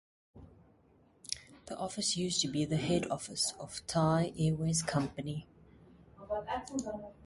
The office used to be the head office of Thai Airways Company.